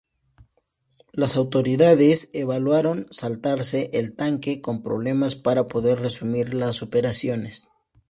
Las autoridades evaluaron saltarse el tanque con problemas para poder resumir las operaciones.